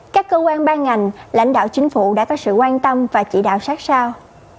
các cơ quan ban ngành lãnh đạo chính phủ đã có sự quan tâm và chỉ đạo sát sao